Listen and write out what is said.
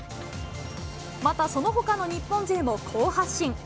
また、そのほかの日本勢も好発進。